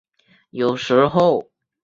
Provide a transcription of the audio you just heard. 有时候。